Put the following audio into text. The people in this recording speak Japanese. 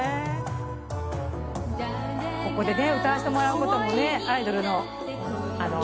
ここで歌わせてもらうこともアイドルの。